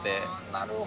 なるほど。